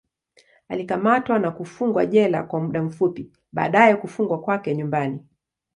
Alikamatwa na kufungwa jela kwa muda fupi, baadaye kufungwa kwake nyumbani.